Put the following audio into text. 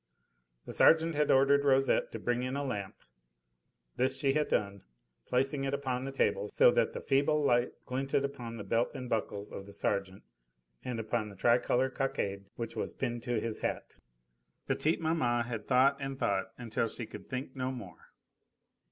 The sergeant had ordered Rosette to bring in a lamp. This she had done, placing it upon the table so that the feeble light glinted upon the belt and buckles of the sergeant and upon the tricolour cockade which was pinned to his hat. Petite maman had thought and thought until she could think no more.